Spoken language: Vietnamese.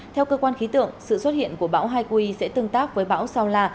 theo cơ quan khí tượng sự xuất hiện của bão haikui sẽ tương tác với bão sao la